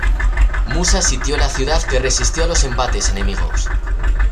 Musa sitió la ciudad que resistió a los embates enemigos.